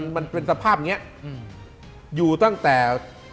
มันมันเป็นสภาพเนี่ยอยู่ตั้งแต่๕